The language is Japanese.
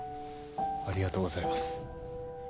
ありがとうございます